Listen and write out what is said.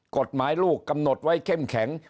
กฎหมายลูกกำหนดไว้เข้มแข็ง